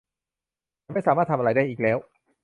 ฉันไม่สามารถทำอะไรได้อีกแล้ว